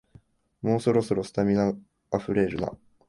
もうそろそろ、スタミナあふれるな